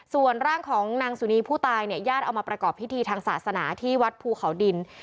ส่วนร่างของนางสุนีผู้ตายเนี่ยญาติเอามาประกอบพิธีทางศาสนาที่วัดภูเขาดิน